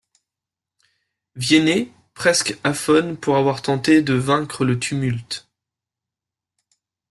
Viennet, presque aphone pour avoir tenté de vaincre le tumulte.